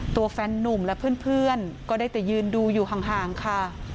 ตัวแฟนนุ่มและเพื่อนก็ได้แต่ยืนดูอยู่ห่างค่ะ